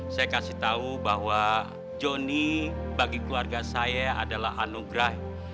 saya kasih tahu bahwa johnny bagi keluarga saya adalah anugerah